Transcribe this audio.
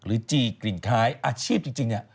หรือจีกรินค้ายอาชีพจริงนี่